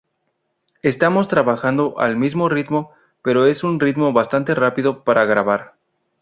Estamos trabajando al mismo ritmo, pero es un ritmo bastante rápido para grabar.